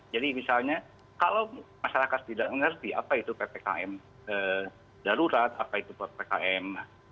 jadi misalnya kalau masyarakat tidak mengerti apa itu ppkm darurat apa itu ppkm